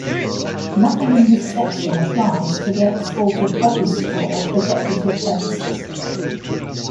Nothing in this section applies to the export of poppy straw for decorative purposes.